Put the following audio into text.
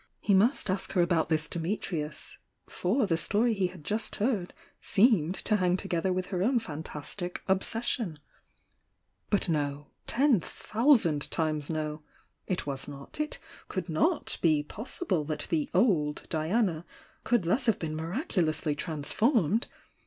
He must ask her about this Dimitnus for the story he had just heard seemed tohaSg to gether with her own fantastic "obsession !" But no ! —ten thousand times no!— it was not it couH nnf be possible that the "old" Dian^ could tS^ishav* fc "" tP^lously transformed